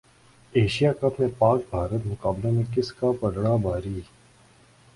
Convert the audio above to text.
Asia cup میں پاک بھارت مقابلوں میں کس کا پلڑا بھاری